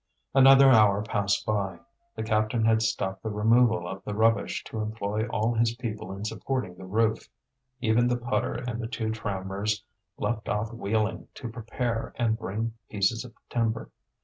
Another hour passed by. The captain had stopped the removal of the rubbish to employ all his people in supporting the roof. Even the putter and the two trammers left off wheeling to prepare and bring pieces of timber.